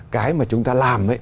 cái mà chúng ta làm